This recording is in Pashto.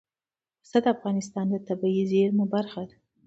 پسه د افغانستان د طبیعي زیرمو برخه ده.